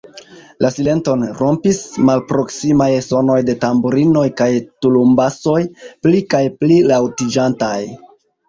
La silenton rompis malproksimaj sonoj de tamburinoj kaj tulumbasoj, pli kaj pli laŭtiĝantaj.